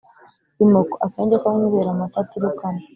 imoko: akenge ko mu ibere amata aturukamo